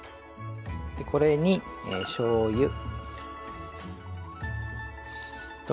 これにしょうゆと。